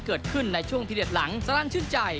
ที่สนาลโรงเรียนสบุสาครพูดดิชัย